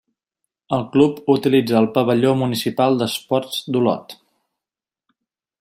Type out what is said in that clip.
El club utilitza el Pavelló Municipal d'Esports d'Olot.